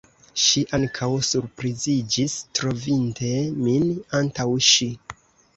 Ŝi ankaŭ surpriziĝis, trovinte min antaŭ ŝi.